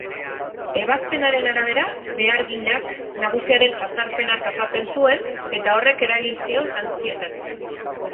Ebazpenaren arabera, beharginak nagusiaren jazarpena jasaten zuen eta horrek eragin zion antsietatea.